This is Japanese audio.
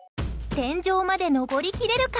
天井まで登り切れるか？